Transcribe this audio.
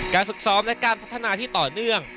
ฝึกซ้อมและการพัฒนาที่ต่อเนื่อง